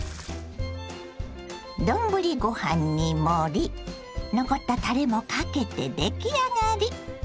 丼ご飯に盛り残ったたれもかけて出来上がり。